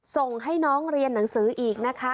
ส่งให้น้องเรียนหนังสืออีกนะคะ